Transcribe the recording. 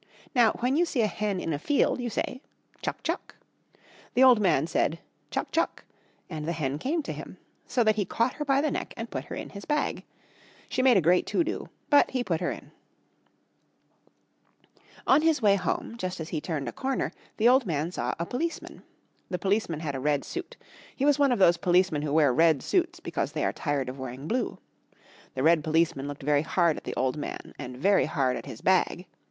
Now when you see a hen in a field you say "Chuck, chuck!" The old man said "Chuck, chuck!" And the hen came to him. So that he caught her by the neck and put her in his bag. She made a great to do, but he put her in. [Illustration: The old man said "Chuck, chuck!" and the hen came to him.] On his way home, just as he turned a corner, the old man saw a policeman. The policeman had a red suit. He was one of those policemen who wear red suits because they are tired of wearing blue. The red policeman looked very hard at the old man and very hard at his bag.